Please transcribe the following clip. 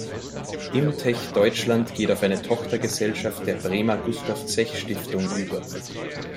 Imtech Deutschland geht auf eine Tochtergesellschaft der Bremer Gustav Zech Stiftung über.